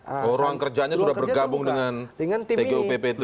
bahwa ruang kerjanya sudah bergabung dengan tgupp itu